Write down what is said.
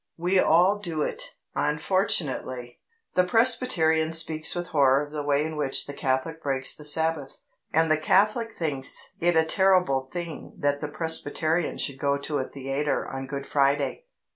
We all do it, unfortunately. The Presbyterian speaks with horror of the way in which the Catholic breaks the Sabbath, and the Catholic thinks it a terrible thing that the Presbyterian should go to a theatre on Good Friday.